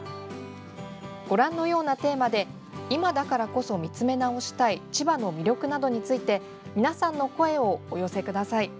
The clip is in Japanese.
ご覧のようなテーマで今だからこそ見つめ直したい千葉の魅力などについて皆さんの声をお寄せください。